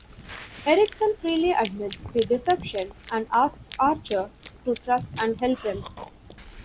Erickson freely admits the deception, and asks Archer to trust and help him.